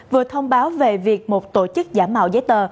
vừa thông báo về việc một tổ chức giả mạo giấy tờ